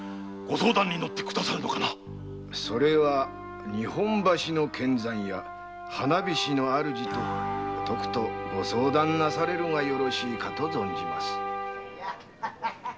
それは日本橋の献残屋・花菱の主ととくとご相談なされるがよろしいかと存じます。